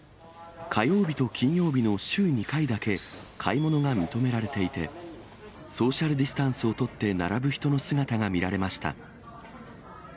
火曜日と金曜日の週２回だけ買い物が認められていて、ソーシャルディスタンスを取って並ぶ人の姿が見られました。